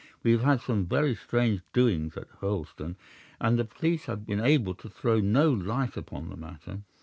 We have had some very strange doings at Hurlstone, and the police have been able to throw no light upon the matter.